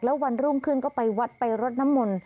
แล้ววันรุ่งขึ้นก็ไปวัดไปรดน้ำมนต์